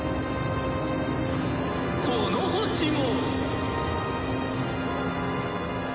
この星も。